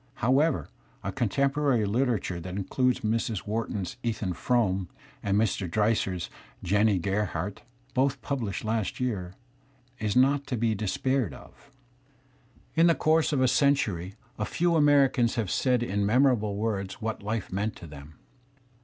However, a contemporary liter ature that includes Mrs. Wharton's " Ethan Frome* ^ and j n Mr. Dreiser's "Jennie Gerha rdt'* both published last year, *^ is not to be despaired of. In the course of a century a few Americans have said in memorable words what life meant to them.